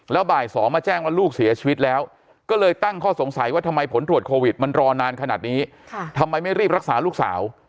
แล้วบ่าย๒มาแจ้งว่าลูกเสียชีวิตแล้วก็เลยตั้งข้อสงสัยว่าทำไมผลตรวจโควิดมันรอนานขนาดนี้ทำไมไม่รีบรักษาลูกสาว